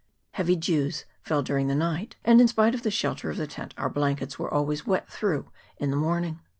Heavy dews fell during the night, and in spite of the shelter of the tent our blankets were always wet through in the morning.